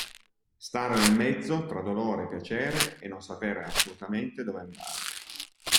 Stare nel mezzo tra dolore e piacere e non sapere assolutamente dove andare.